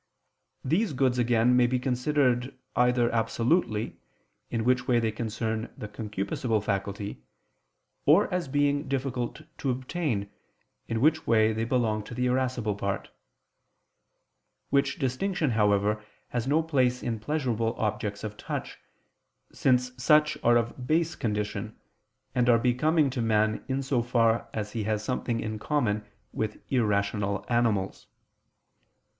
These goods again may be considered either absolutely, in which way they concern the concupiscible faculty, or as being difficult to obtain, in which way they belong to the irascible part: which distinction, however, has no place in pleasurable objects of touch; since such are of base condition, and are becoming to man in so far as he has something in common with irrational animals.